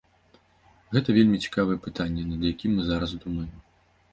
Гэта вельмі цікавае пытанне, над якім мы зараз думаем.